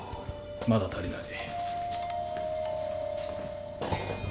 まだ足りない。